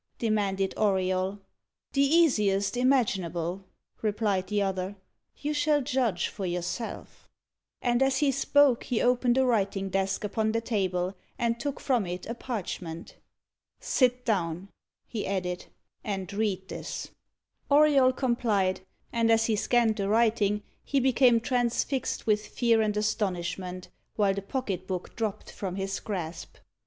demanded Auriol. "The easiest imaginable," replied the other. "You shall judge for yourself." And as he spoke, he opened a writing desk upon the table, and took from it a parchment. "Sit down," he added, "and read this." Auriol complied, and as he scanned the writing he became transfixed with fear and astonishment, while the pocket book dropped from his grasp.